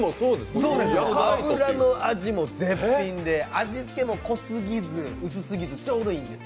脂の味も絶品で、味付けも濃すぎず薄すぎず、ちょうどいいんですよ。